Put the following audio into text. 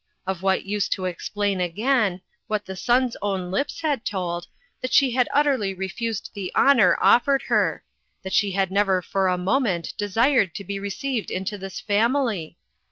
Of what use to explain again, what the son's own lips had told, that she had utterly refused the honor of fered her that she had never for a mo ment desired to be received into this family?